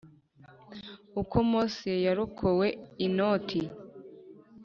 uko mose yarokowe inoti